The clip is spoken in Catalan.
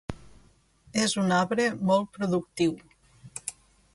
És un arbre molt productiu.